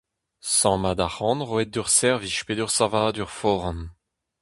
Sammad arc'hant roet d'ur servij pe d'ur savadur foran.